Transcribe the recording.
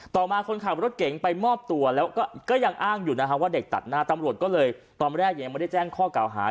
ต่อมาคนขับรถเก๋งไปมอบตัวแล้วก็ยังอ้างอยู่นะฮะว่าเด็กตัดหน้าตำรวจก็เลยตอนแรกยังไม่ได้แจ้งข้อเก่าหา